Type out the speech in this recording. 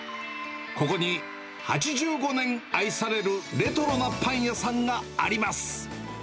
ここに８５年愛されるレトロなパン屋さんがあります。